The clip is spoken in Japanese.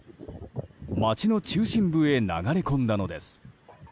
街の中心部へ流れ込んだのです。